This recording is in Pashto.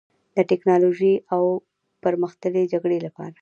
د ټیکنالوژۍ او پرمختللې جګړې لپاره